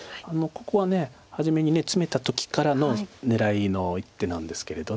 ここは初めにツメた時からの狙いの一手なんですけれど。